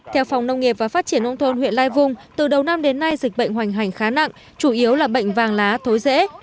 theo phòng nông nghiệp và phát triển nông thôn huyện lai vung từ đầu năm đến nay dịch bệnh hoành hành khá nặng chủ yếu là bệnh vàng lá thối rễ